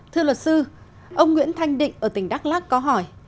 thưa luật sư ông nguyễn thanh định ở tỉnh đắk lắc có hỏi